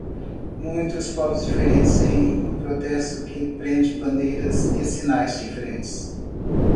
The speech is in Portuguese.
Muitos povos diferentes em um protesto que prende bandeiras e sinais diferentes.